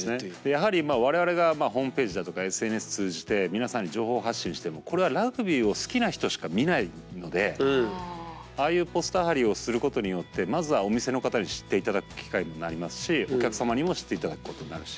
やはり我々がホームページだとかＳＮＳ通じて皆さんに情報発信してもこれはラグビーを好きな人しか見ないのでああいうポスター貼りをすることによってまずはお店の方に知って頂く機会にもなりますしお客様にも知って頂くことになるし。